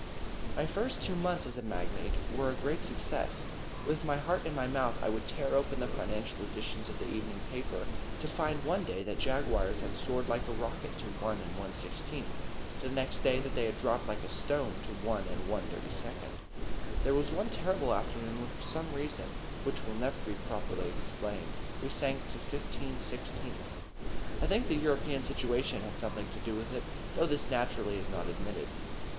My first two months as a magnate were a great success. With my heart in my mouth I would tear open the financial editions of the evening papers, to find one day that Jaguars had soared like a rocket to 1 1/16, the next that they had dropped like a stone to 1 1/32. There was one terrible afternoon when for some reason which will never be properly explained we sank to 15/16. I think the European situation had something to do with it, though this naturally is not admitted.